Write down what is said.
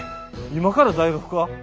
今から大学か？